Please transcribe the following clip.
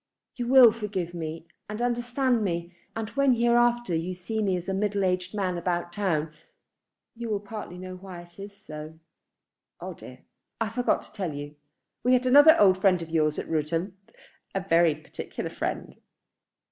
You will forgive me and understand me, and when hereafter you see me as a middle aged man about town, you will partly know why it is so. Oh dear; I forgot to tell you. We had another old friend of yours at Rudham, a very particular friend."